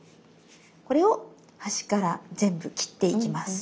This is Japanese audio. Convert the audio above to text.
これを端から全部切っていきます。